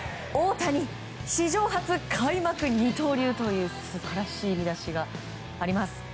大谷、史上初開幕二刀流という素晴らしい見出しがあります。